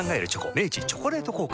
明治「チョコレート効果」